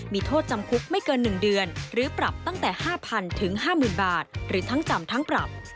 มีโทษจำคุกไม่เกิน๑เดือนหรือปรับตั้งแต่๕๐๐๕๐๐บาทหรือทั้งจำทั้งปรับ